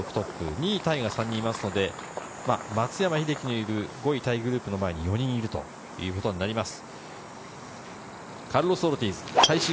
２位タイが３人いますので、松山英樹がいる５位タイグループの前に４人いるということになります。